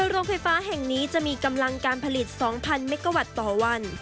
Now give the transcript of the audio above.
โรงไฟฟ้าแห่งนี้จะมีกำลังการผลิต๒๐๐เมกาวัตต์ต่อวัน